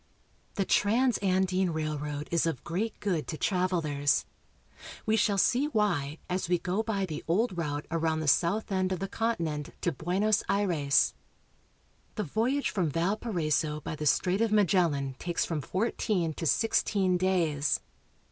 The Transandine Railroad is of great good to trav elers. We shall see why as we go by the old route around the south end of the continent to Buenos Aires. The voyage from Valparaiso by the Strait of Magellan takes from fourteen tb sixteen days.